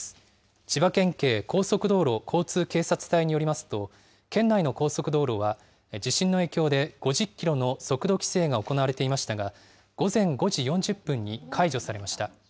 千葉県警高速道路交通警察隊によりますと、県内の高速道路は地震の影響で５０キロの速度規制が行われていましたが、午前５時４０分に解除されました。